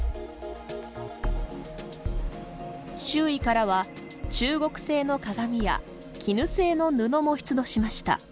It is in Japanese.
周囲からは、中国製の鏡や絹製の布も出土しました。